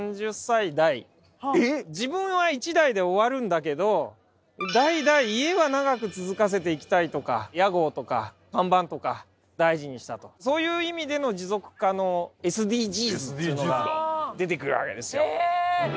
自分は一代で終わるんだけど代々家は長く続かせていきたいとか屋号とか看板とか大事にしたとそういう意味での持続可能ＳＤＧｓっていうのが出てくるわけですよ